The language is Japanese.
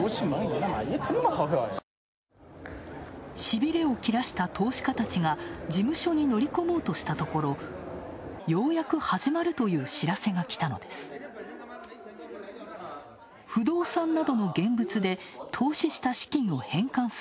しびれを切らした投資家たちが事務所に乗り込もうとしたところ、ようやく始まるという知らせがきたのです。